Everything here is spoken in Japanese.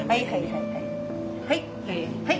はい。